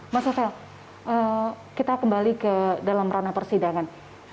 mas novel kita kembali ke dalam ranah persidangan